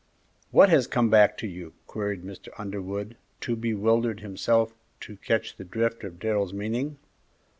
"What has come back to you?" queried Mr. Underwood, too bewildered himself to catch the drift of Darrell's meaning.